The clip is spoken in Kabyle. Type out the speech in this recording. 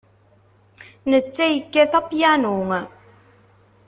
Netta yekkat apyanu.